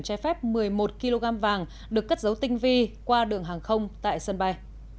trái phép một mươi một kg vàng được cất dấu tinh vi qua đường hàng không tại sân bay